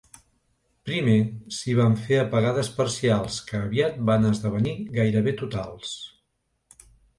Primer s’hi van fer apagades parcials, que aviat van esdevenir gairebé totals.